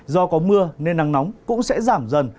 do có mưa nên nắng nóng cũng sẽ giảm dần